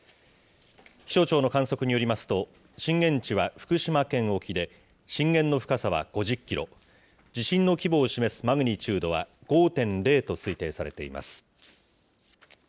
気象庁の観測によりますと、震源地は福島県沖で、震源の深さは５０キロ、地震の規模を示すマグニチュードは５．０と推定されています。